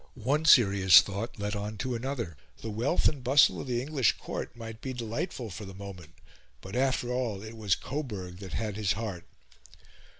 One serious thought led on to another. The wealth and the bustle of the English Court might be delightful for the moment, but, after all, it was Coburg that had his heart.